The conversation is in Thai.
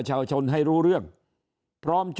ก่อนจะให้เขาเสนอชื่อเป็นแคนดิเดตนายกรัฐมนตรี